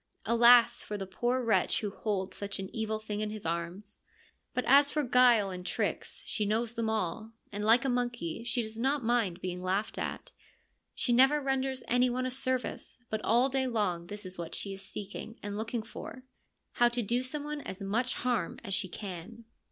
Alas for the poor wretch who holds such an evil thing in his arms ! But as for guile and tricks, she knows them all, and like a monkey she does not mind being laughed at. She never renders anyone a service, but all day long this is what she is seeking and looking for — how to do some one as much harm as she can.